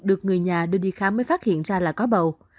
được người nhà đưa đi khám mới phát hiện ra là có bầu